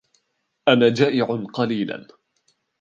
أنا جائع قليلا.